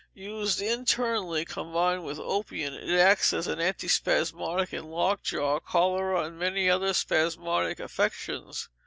Used internally, combined with opium, it acts as an antispasmodic in locked jaw, cholera, and many other spasmodic affections.